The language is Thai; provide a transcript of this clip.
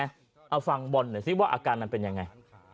เอาฟังบอลหน่อยสิว่าอาการมันเป็นยังไง